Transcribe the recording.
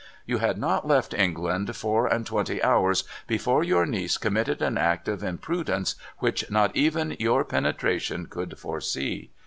' You had not left England four and twenty hours before your niece committed an act of imprudence which not even your penetration could foresee.